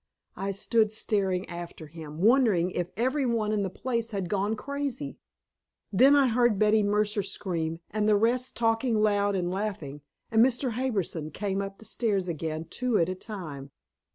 I stood staring after him, wondering if every one in the place had gone crazy. Then I heard Betty Mercer scream and the rest talking loud and laughing, and Mr. Harbison came up the stairs again two at a time.